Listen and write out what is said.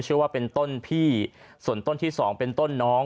เชื่อว่าเป็นต้นพี่ส่วนต้นที่สองเป็นต้นน้อง